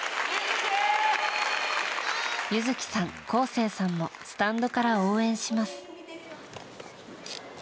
優月さん、恒惺さんもスタンドから応援します。